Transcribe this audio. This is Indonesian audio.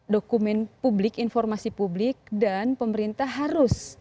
dokumen publik informasi publik dan pemerintah harus